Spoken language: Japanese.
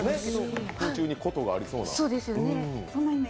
空中に琴がありそうな。